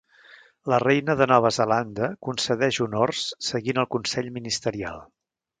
La Reina de Nova Zelanda concedeix honors seguint el consell ministerial.